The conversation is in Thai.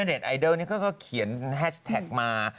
เน็ตไอดอลก็เขียนแฮชแท็กมา